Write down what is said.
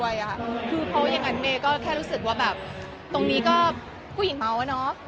เพราะว่าอย่างนั้นเมย์ก็แค่รู้สึกว่าแบบตรงนี้ก็ผู้หญิงเมาอะเนาะ